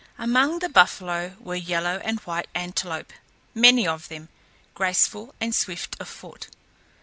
Among the buffalo were yellow and white antelope many of them graceful and swift of foot.